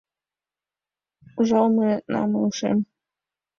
Ужалыме-налме ушем